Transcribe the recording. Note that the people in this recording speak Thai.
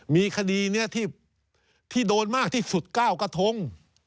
มีคดีที่โดนมากที่สุดก้าวกะทง